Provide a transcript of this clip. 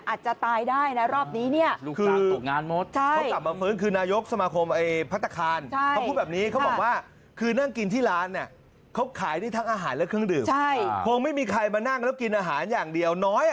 อาจจะตายได้นะรอบนี้